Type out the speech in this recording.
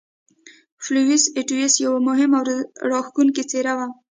فلاویوس اتیوس یوه مهمه او راښکوونکې څېره وه.